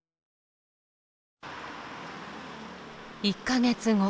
１か月後。